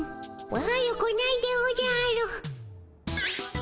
悪くないでおじゃる。